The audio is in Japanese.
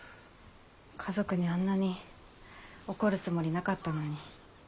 家族にあんなに怒るつもりなかったのに。